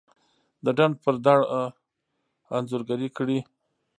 دډنډ پر دړه انځورګري کړي